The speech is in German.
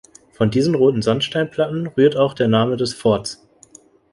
Von diesen roten Sandsteinplatten rührt auch der Name des Forts.